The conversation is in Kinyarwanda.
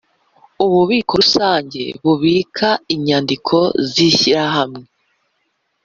ububiko Rusange bubika inyandiko z ishyirahamwe